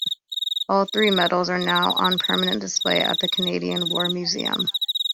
All three medals are now on permanent display at the Canadian War Museum.